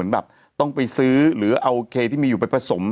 มีสารตั้งต้นเนี่ยคือยาเคเนี่ยใช่ไหมคะ